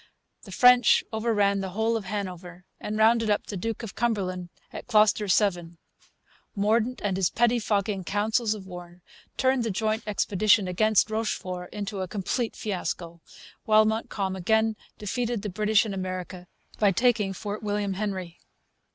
The French overran the whole of Hanover and rounded up the Duke of Cumberland at Kloster Seven. Mordaunt and his pettifogging councils of war turned the joint expedition against Rochefort into a complete fiasco; while Montcalm again defeated the British in America by taking Fort William Henry.